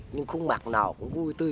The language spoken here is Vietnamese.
nhưng khuôn mặt nào cũng vui tươi